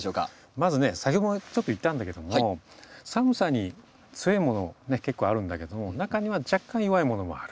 まずね先ほどもちょっと言ったんだけども寒さに強いもの結構あるんだけども中には若干弱いものもある。